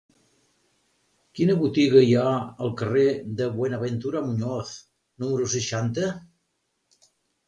Quina botiga hi ha al carrer de Buenaventura Muñoz número seixanta?